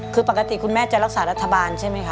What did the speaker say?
คือปกติคุณแม่จะรักษารัฐบาลใช่ไหมคะ